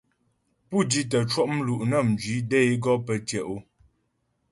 Pú di tə́ cwɔ' mlu' nə́ mjwi də é gɔ pə́ tyɛ' o.